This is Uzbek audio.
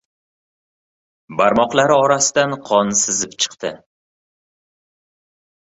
Barmoqlari orasidan qon sizib chiqdi.